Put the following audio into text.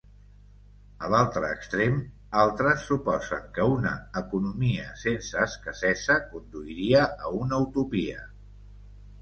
A l'altre extrem, altres suposen que una economia sense escassesa conduiria a una utopia.